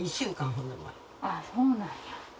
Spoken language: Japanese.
あっそうなんや。